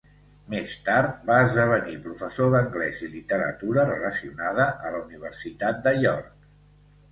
Més tard va esdevenir professor d'anglès i literatura relacionada a la Universitat de York.